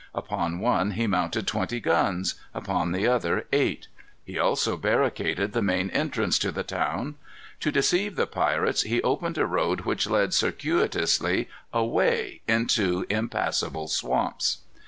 Upon one he mounted twenty guns; upon the other eight. He also barricaded the main entrance to the town. To deceive the pirates, he opened a road which led circuitously away into impassable swamps.